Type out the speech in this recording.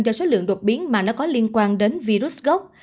do số lượng đột biến mà nó có liên quan đến virus gốc